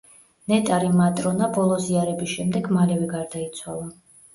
ნეტარი მატრონა ბოლო ზიარების შემდეგ მალევე გარდაიცვალა.